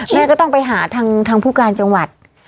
แม่ก็ต้องไปหาทางผู้การจังหวัด